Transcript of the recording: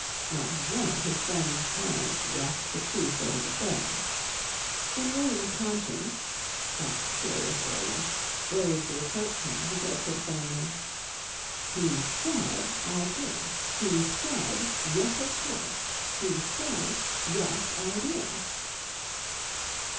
Not one of his friends' parents guessed the true state of affairs. When William's conscience (that curious organ) rose to reproach him, he said to it firmly: "He said I could. He said 'Yes, of course.' He said 'Yes, I did.'"